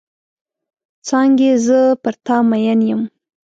څانګې زه پر تا مئن یم.